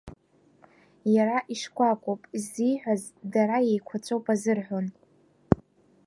Иара ишкәакәоуп ззиҳәаз дара иеиқәаҵәоуп азырҳәон.